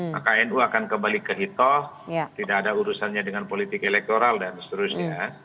maka nu akan kembali ke hitoh tidak ada urusannya dengan politik elektoral dan seterusnya